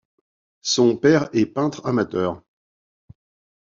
Son père est peintre amateur.